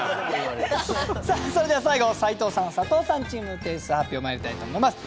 さあそれでは最後斎藤さん佐藤さんチーム点数発表まいりたいと思います。